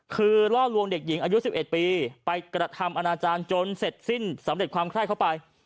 คือล่อลวงเด็กหญิงอายุ๑๑ปีไปกระทำอนาจารย์จนเสร็จสิ้นสำเร็จความไข้เข้าไป